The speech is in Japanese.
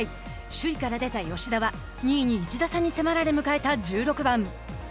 首位から出た吉田は２位に１打差に迫られ迎えた１６番。